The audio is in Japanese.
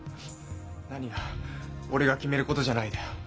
なにが「俺が決めることじゃない」だよ。